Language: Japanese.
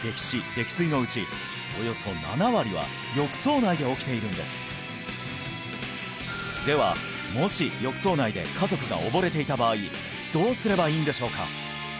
溺水のうちおよそ７割は浴槽内で起きているんですではもし浴槽内で家族が溺れていた場合どうすればいいんでしょうか？